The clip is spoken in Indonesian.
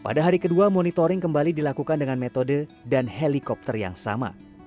pada hari kedua monitoring kembali dilakukan dengan metode dan helikopter yang sama